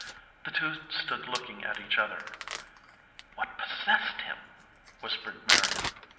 The two stood looking at each other. "What possessed him ?" whispered Marion.